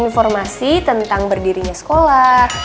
informasi tentang berdirinya sekolah